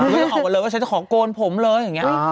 ไม่ต้องออกเรื่องเช่นของโกณฑ์ผมเลย